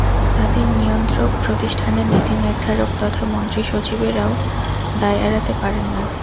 তাঁদের নিয়ন্ত্রক প্রতিষ্ঠানের নীতিনির্ধারক তথা মন্ত্রী সচিবেরাও দায় এড়াতে পারেন না।